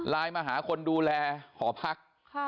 มาหาคนดูแลหอพัก